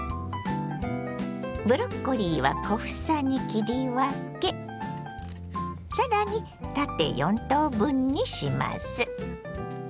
ブロッコリーは小房に切り分け更に縦４等分にします。